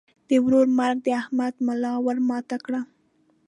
د ورور مرګ د احمد ملا ور ماته کړه.